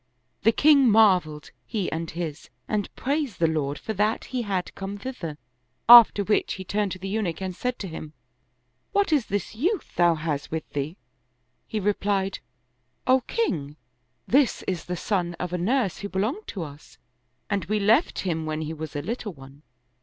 The king marveled, he and his, and praised the Lord for that he had come thither; after which he turned to the Eunuch and said to him, " What is this youth thou hast with thee? " He replied, " O king, this is the son of a nurse who belonged to us and we left him when he was a little one.